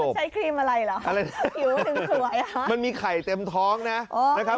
ครีมอะไรเหรออยู่อยู่สวยมันมีไข่เต็มท้องนะ